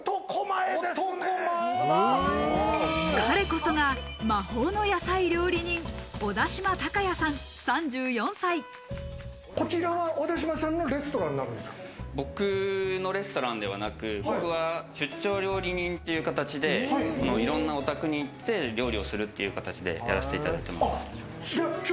彼こそが魔法の野菜料理人・僕のレストランではなく、僕は出張料理人っていう形でいろんなお宅に行って、料理をするという形でやらせていただいてます。